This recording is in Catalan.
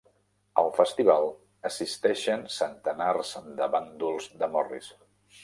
Al festival assisteixen centenars de bàndols de Morris.